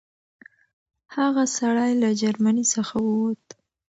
هغه سړی له جرمني څخه ووت.